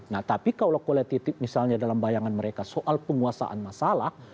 nah tapi kalau kualititif misalnya dalam bayangan mereka soal penguasaan masalah